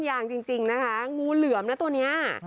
ค้ายชาวขายผู้หญิง